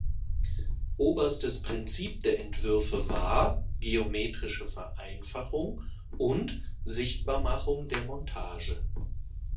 Oberstes Prinzip der Entwürfe war „geometrische Vereinfachung“ und „Sichtbarmachung der Montage“.